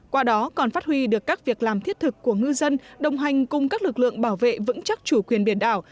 qua đó còn phát huy được các việc làm thiết thực của ngư dân đồng hành cùng các lực lượng bảo vệ vững chắc chủ quyền biển đảo